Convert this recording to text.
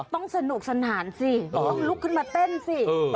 สนุกสนานสิต้องลุกขึ้นมาเต้นสิ